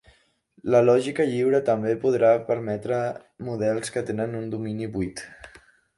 La lògica lliure també podrà permetre models que tenen un domini buit.